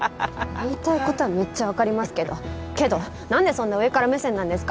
言いたい事はめっちゃわかりますけどけどなんでそんな上から目線なんですか？